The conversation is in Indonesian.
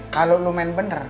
kalau lu main bener